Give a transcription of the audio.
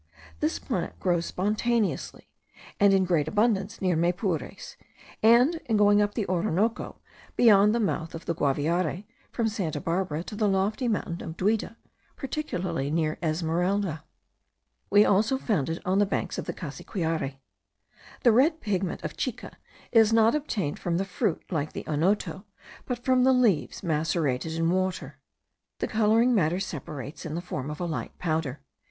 This plant grows spontaneously, and in great abundance, near Maypures; and in going up the Orinoco, beyond the mouth of the Guaviare, from Santa Barbara to the lofty mountain of Duida, particularly near Esmeralda. We also found it on the banks of the Cassiquiare. The red pigment of chica is not obtained from the fruit, like the onoto, but from the leaves macerated in water. The colouring matter separates in the form of a light powder.